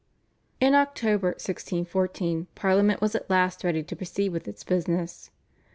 In October 1614 Parliament was at last ready to proceed with its business.